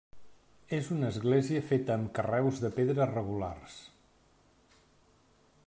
És una església feta amb carreus de pedra regulars.